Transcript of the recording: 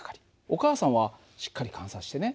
お母さんはしっかり観察してね。